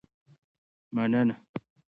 مننه.